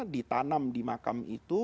ditanam di makam itu